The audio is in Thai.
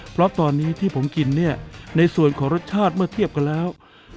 เพราะตอนนี้ที่ผมกินเนี่ยในส่วนของรสชาติเมื่อเทียบกันแล้ว